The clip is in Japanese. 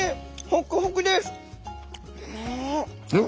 ほくほくです。